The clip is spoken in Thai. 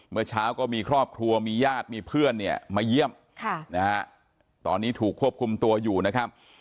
เมื่อเช้าก็มีครอบครัวมีญาติมีเพื่อนเนี่ยมาเยี่ยมตอนนี้ถูกควบคุมตัวอยู่นะครับ